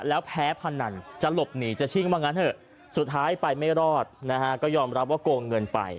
แล้วแพ้พนันจะหลบหนีจะชิ่งว่างั้นเถอะสุดท้ายไปไม่รอดนะฮะก็ยอมรับว่าโกงเงินไป